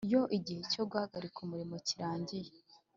Iyo igihe cyo guhagarika umurimo kirangiye